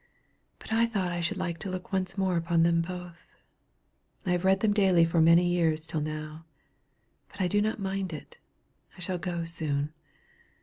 But I thought I should like to look once more upon them both. I have read them daily for many years till now; but I do not mind it I shall go soon."